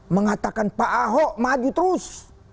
mengatakan pak ahok maju terus